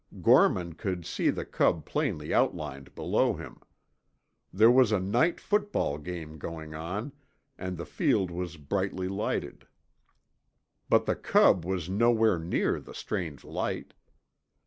Gorman Could see the Cub plainly outlined below him. There was a night football game going on, and the field was brightly lighted. But the Cub was nowhere near the strange light.